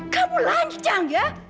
kamu lancang ya